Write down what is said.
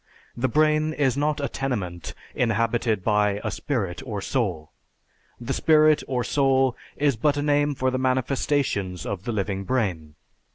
The brain is not a tenement inhabited by a spirit or soul. The spirit or soul is but a name for the manifestations of the living brain.